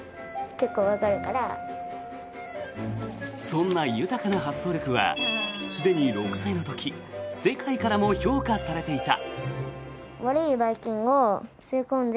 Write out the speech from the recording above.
そんな豊かな発想力はすでに６歳の時世界からも評価されていた。